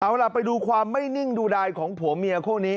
เอาล่ะไปดูความไม่นิ่งดูดายของผัวเมียคู่นี้